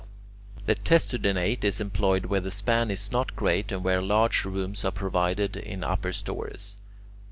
_ summer dining room ] The testudinate is employed where the span is not great, and where large rooms are provided in upper stories.